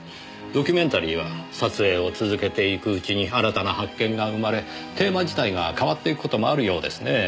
ドキュメンタリーは撮影を続けていくうちに新たな発見が生まれテーマ自体が変わっていく事もあるようですね。